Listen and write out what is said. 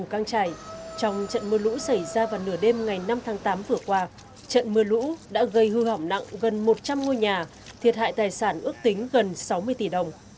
trong trận mưa lũ xảy ra vào nửa đêm ngày năm tháng tám vừa qua trận mưa lũ đã gây hư hỏng nặng gần một trăm linh ngôi nhà thiệt hại tài sản ước tính gần sáu mươi tỷ đồng